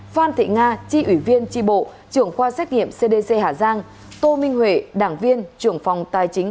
phan thị nga chi ủy viên tri bộ trưởng khoa xét nghiệm cdc hà giang tô minh huệ đảng viên trưởng phòng tài chính